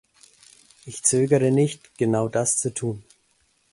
Ich zögere nicht, genau das zu tun.